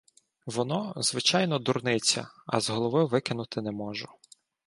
Воно, звичайно, дурниця, а з голови викинути не можу.